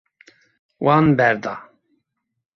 Wan berda.